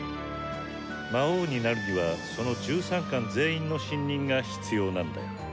魔王になるにはその１３冠全員の信任が必要なんだよ。